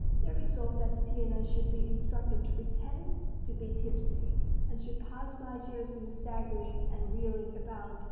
They resolved that Tatiana should be instructed to pretend to be tipsy, and should pass by Gerasim staggering and reeling about.